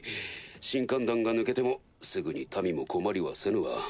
神官団が抜けてもすぐに民も困りはせぬわ。